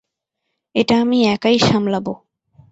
এটা আমি একাই সামলাবো।